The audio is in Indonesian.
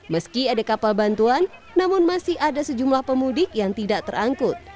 meski ada kapal bantuan namun masih ada sejumlah pemudik yang tidak terangkut